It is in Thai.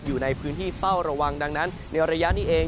อยู่ในพื้นที่เฝ้าระวังดังนั้นในระยะนี้เอง